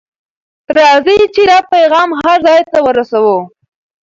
راځئ چې دا پیغام هر ځای ته ورسوو.